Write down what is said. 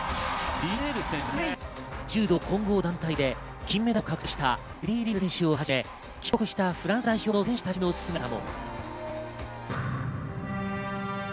柔道混合団体で金メダルを獲得したテディ・リネール選手をはじめ、帰国したフランス代表の選手たちの姿も。